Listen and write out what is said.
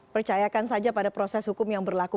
percayakan saja pada proses hukum yang berlaku